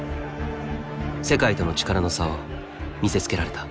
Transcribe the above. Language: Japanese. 世界との力の差を見せつけられた。